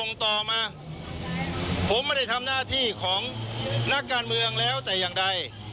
ต่อมาผมไม่ได้ทำหน้าที่ของนักการเมืองแล้วแต่อย่างใด